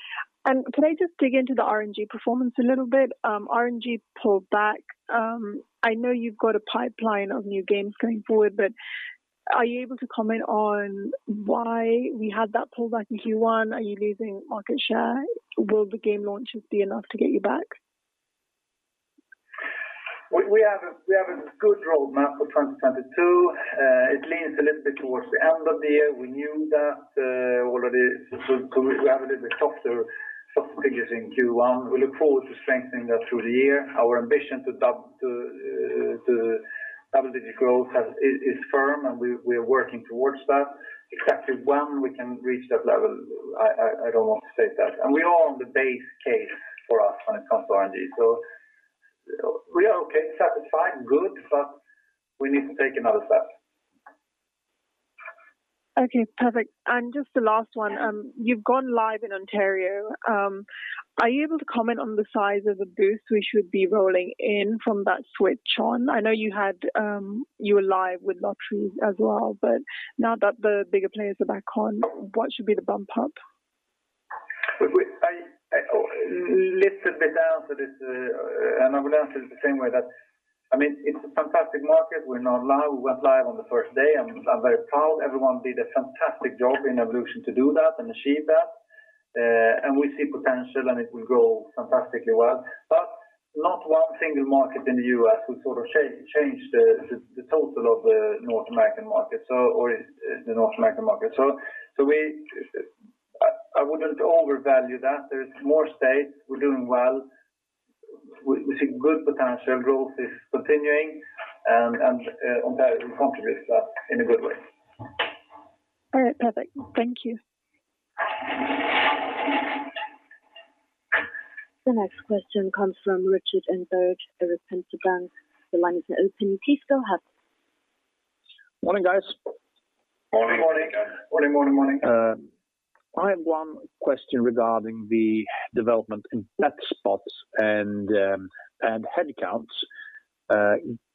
I: Can I just dig into the RNG performance a little bit? RNG pulled back. I know you've got a pipeline of new games going forward, but are you able to comment on why we had that pullback in Q1? Are you losing market share? Will the game launches be enough to get you back?
A: We have a good roadmap for 2022. It leans a little bit towards the end of the year. We knew that already. We have a little bit softer figures in Q1. We look forward to strengthening that through the year. Our ambition to double-digit growth is firm, and we are working towards that. Exactly when we can reach that level, I don't want to say that. We are on the base case for us when it comes to RNG. We are okay, satisfied, good, but we need to take another step.
I: Okay, perfect. Just the last one, you've gone live in Ontario. Are you able to comment on the size of the boost we should be rolling in from that switch on? I know you were live with lotteries as well, but now that the bigger players are back on, what should be the bump up?
A: I a little bit answered this, and I will answer it the same way that, I mean, it's a fantastic market. We're now live. We went live on the first day. I'm very proud. Everyone did a fantastic job in Evolution to do that and achieve that. And we see potential, and it will grow fantastically well. But not one single market in the US will sort of change the total of the North American market, in the North American market. I wouldn't overvalue that. There is more states. We're doing well. We see good potential growth is continuing and Ontario will contribute that in a good way.
I: All right. Perfect. Thank you.
C: The next question comes from Rasmus Engberg of Kepler Cheuvreux. The line is open. Please go ahead.
J: Morning, guys.
A: Morning.
J: Morning. I have one question regarding the development in bet spots and headcounts.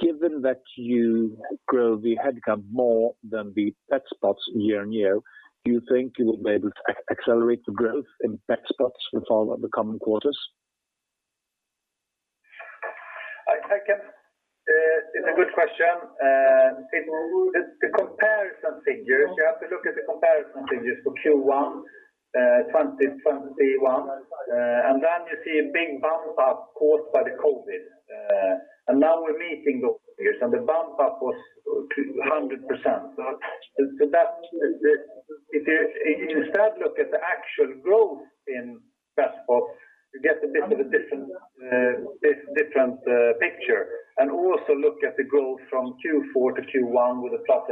J: Given that you grow the headcount more than the bet spots year-on-year, do you think you will be able to accelerate the growth in bet spots with all of the coming quarters?
A: I think it's a good question. If the comparison figures, you have to look at the comparison figures for Q1 2021, and then you see a big bump up caused by the COVID. Now we're meeting those figures, and the bump up was 200%. If you instead look at the actual growth in bet spots, you get a bit of a different picture. Also look at the growth from Q4 to Q1 with a +8%.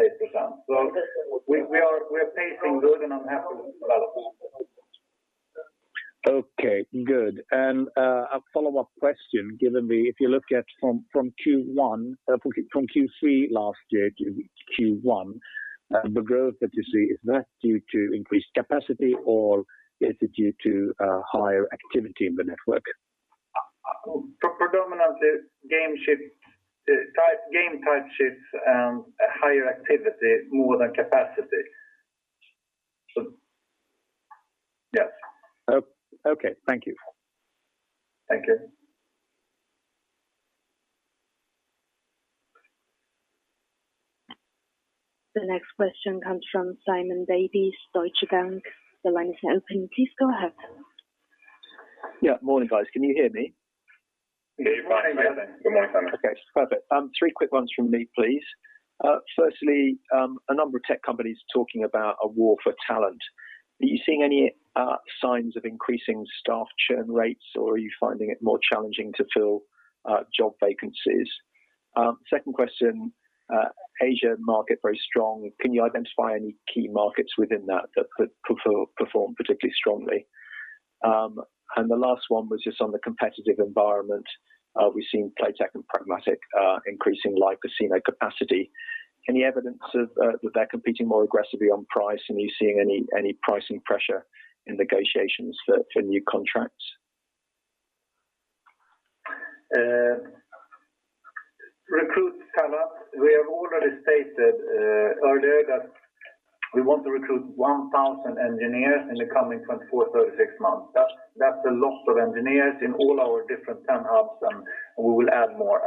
A: We are pacing good, and I'm happy with the development.
J: Okay, good. A follow-up question, if you look at from Q3 last year to Q1, the growth that you see, is that due to increased capacity or is it due to higher activity in the network?
A: Predominantly game type shifts and higher activity more than capacity. Yes.
J: Okay. Thank you.
A: Thank you.
C: The next question comes from Simon Davies, Deutsche Bank. The line is now open. Please go ahead.
K: Yeah. Morning, guys. Can you hear me?
A: Yeah.
K: Okay, perfect. Three quick ones from me, please. Firstly, a number of tech companies talking about a war for talent. Are you seeing any signs of increasing staff churn rates, or are you finding it more challenging to fill job vacancies? Second question, Asia market very strong. Can you identify any key markets within that that could perform particularly strongly? The last one was just on the competitive environment. We've seen Playtech and Pragmatic increasing live casino capacity. Any evidence that they're competing more aggressively on price? Are you seeing any pricing pressure in negotiations for new contracts?
A: Recruit talent. We have already stated earlier that we want to recruit 1,000 engineers in the coming 24-36 months. That's a lot of engineers in all our different 10 hubs, and we will add more.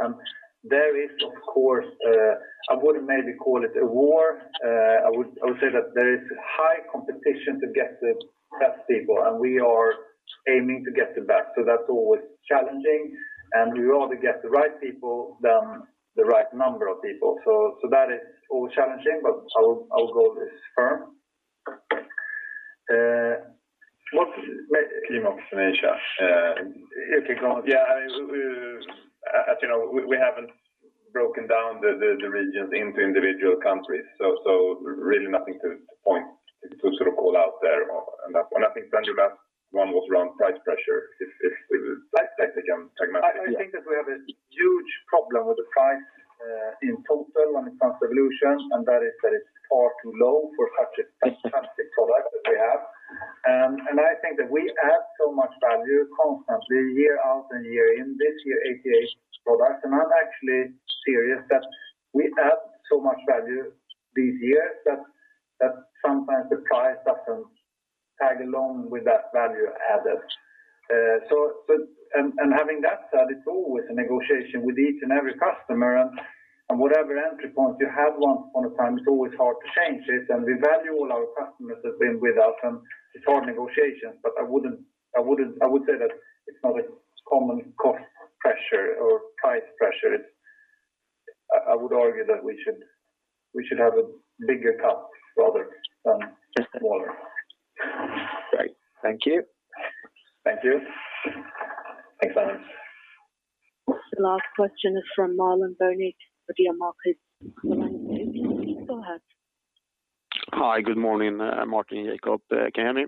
A: There is of course, I wouldn't maybe call it a war. I would say that there is high competition to get the best people, and we are aiming to get the best. So that's always challenging, and we would rather get the right people than the right number of people. That is always challenging, but our goal is firm.
B: Team ops in Asia. Yeah. As you know, we haven't broken down the regions into individual countries. Really nothing to sort of call out there on that one. I think your last one was around price pressure. If we would like to take again segment.
A: I think that we have a huge problem with the price in total when it comes to Evolution, and that is that it's far too low for such a fantastic product that we have. I think that we add so much value constantly year in and year out. This year RNG products, and I'm actually serious that we add so much value these years that sometimes the price doesn't tag along with that value added. Having that said, it's always a negotiation with each and every customer. Whatever entry point you have at one point in time, it's always hard to change it. We value all our customers that's been with us, and it's hard negotiations. I wouldn't say that it's not a common cost pressure or price pressure. I would argue that we should have a bigger cut rather than smaller.
K: Great. Thank you.
A: Thank you.
K: Thanks a lot.
C: The last question is from Marlon Värnik with Nordea Markets. Marlon, you may proceed, go ahead.
L: Hi, good morning, Martin and Jacob. Can you hear me?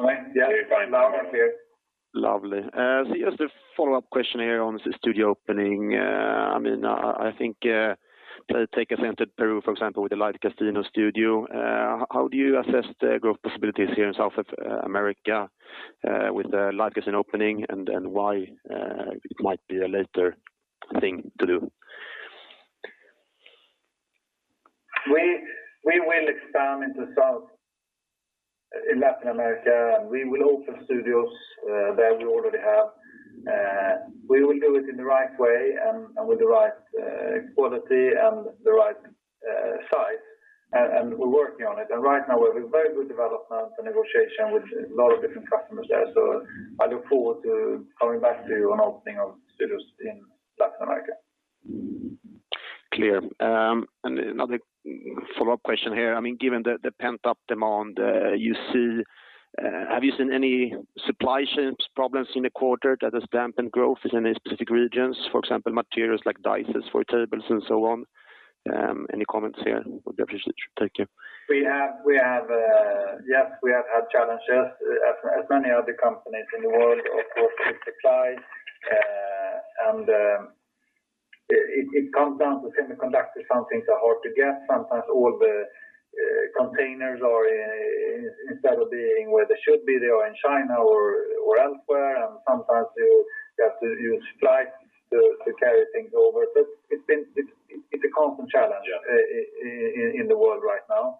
A: Hi. Yeah. Fine. Loud and clear.
L: Lovely. Just a follow-up question here on the studio opening. I mean, I think Pragmatic Play entered Peru, for example, with the live casino studio. How do you assess the growth possibilities here in South America with the live casino opening and why it might be a later thing to do?
A: We will expand into Latin America, and we will open studios there we already have. We will do it in the right way and with the right quality and the right size. We're working on it. Right now we have a very good development and negotiation with a lot of different customers there. I look forward to coming back to you on opening of studios in Latin America.
L: Clear. Another follow-up question here. I mean, given the pent-up demand you see, have you seen any supply chain problems in the quarter that has dampened growth? Are there any specific regions, for example, materials like dice for tables and so on? Any comments here would be appreciated. Thank you.
A: We have had challenges as many other companies in the world, of course, with supply. It comes down to semiconductors. Some things are hard to get. Sometimes all the containers are instead of being where they should be, they are in China or elsewhere. Sometimes you have to use flights to carry things over. It's been a constant challenge.
L: Yeah.
A: In the world right now.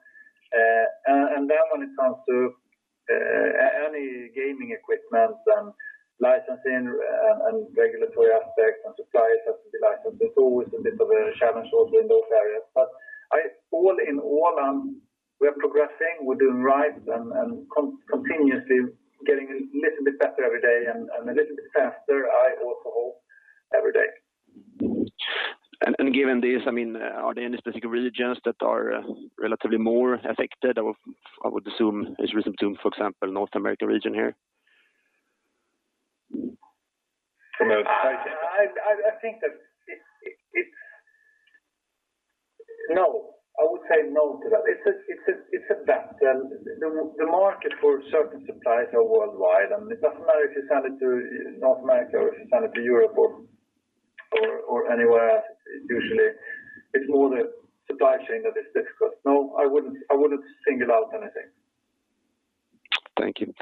A: When it comes to any gaming equipment and licensing and regulatory aspects and suppliers have to be licensed, it's always a bit of a challenge also in those areas. All in all, we are progressing. We're doing right and continuously getting a little bit better every day and a little bit faster, I also hope every day.
L: Given this, I mean, are there any specific regions that are relatively more affected? I would assume, for example, North America region here.
A: No, I would say no to that. It's a battle. The market for certain suppliers are worldwide, and it doesn't matter if you sell it to North America or if you sell it to Europe or anywhere else. Usually it's more the supply chain that is difficult. No, I wouldn't single out anything.
L: Thank you.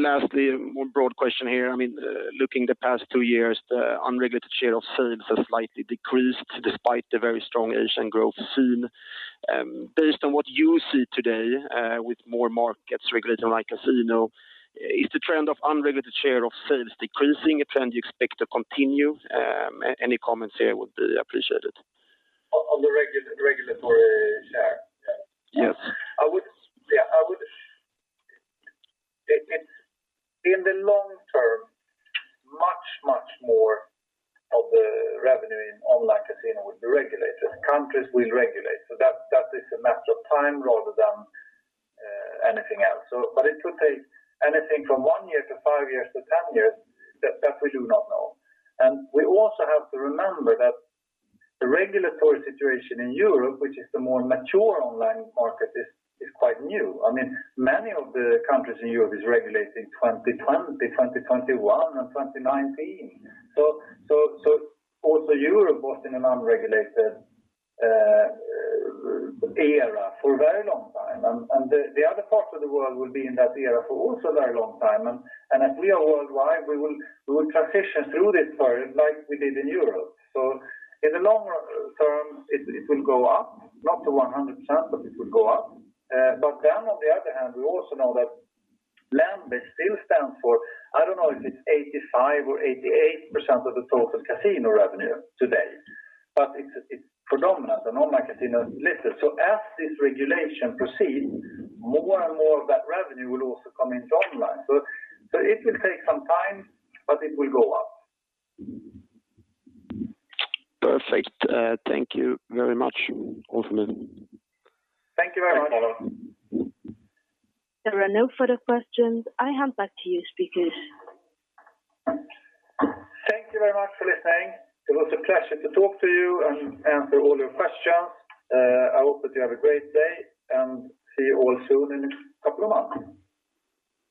L: Lastly, more broad question here. I mean, looking the past two years, the unregulated share of sales has slightly decreased despite the very strong Asian growth seen. Based on what you see today, with more markets regulating like a casino, is the trend of unregulated share of sales decreasing a trend you expect to continue? Any comments here would be appreciated.
A: On the regulatory share? Yeah.
L: Yes.
A: It's in the long term much more of the revenue in online casino would be regulated. Countries will regulate. That is a matter of time rather than anything else. But it would take anything from one year to five years to 10 years. That we do not know. We also have to remember that the regulatory situation in Europe, which is the more mature online market, is quite new. I mean, many of the countries in Europe is regulating 2020, 2021, and 2019. Also Europe was in an unregulated era for a very long time. The other parts of the world will be in that era for also a very long time. As we are worldwide, we will transition through this period like we did in Europe. In the longer term, it will go up, not to 100%, but it will go up. But then on the other hand, we also know that land-based still stands for, I don't know if it's 85% or 88% of the total casino revenue today, but it's predominant and online casino is little. As this regulation proceed, more and more of that revenue will also come into online. It will take some time, but it will go up.
L: Perfect. Thank you very much, Martin.
A: Thank you very much.
L: Thanks, Marlon.
C: There are no further questions. I hand back to you speakers.
A: Thank you very much for listening. It was a pleasure to talk to you and answer all your questions. I hope that you have a great day, and see you all soon in a couple of months.